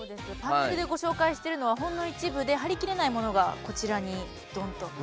パネルでご紹介してるのはほんの一部で貼りきれないものがこちらにドンと。